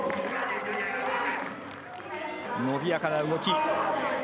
伸びやかな動き。